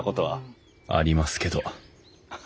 ありますけどハハ